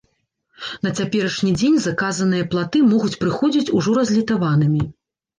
На цяперашні дзень заказаныя платы могуць прыходзіць ужо разлітаванымі.